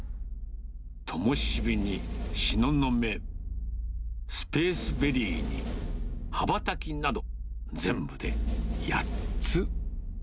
ともしびにしののめ、スペースベリーに、はばたきなど、全部で８つ。